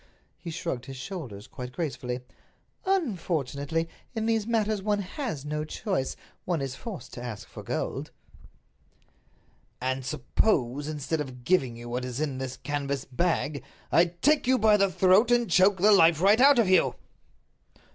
He shrugged his shoulders quite gracefully. "Unfortunately, in these matters one has no choice—one is forced to ask for gold." "And suppose, instead of giving you what is in this canvas bag, I take you by the throat and choke the life right out of you?"